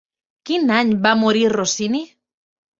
Quin any va morir Rossini?